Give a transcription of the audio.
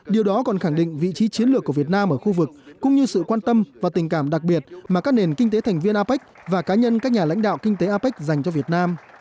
điều đó còn khẳng định vị trí chiến lược của việt nam ở khu vực cũng như sự quan tâm và tình cảm đặc biệt mà các nền kinh tế thành viên apec và cá nhân các nhà lãnh đạo kinh tế apec dành cho việt nam